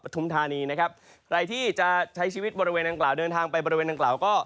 ทุมธานีนะครับใครที่จะใช้ชีวิตบริเวณดังกล่าวเดินทางไปบริเวณดังกล่าวก็